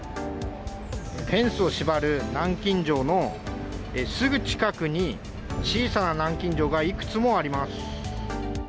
フェンスを縛る南京錠のすぐ近くに、小さな南京錠がいくつもあります。